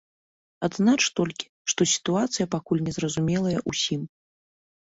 Адзначу толькі, што сітуацыя пакуль незразумелая ўсім.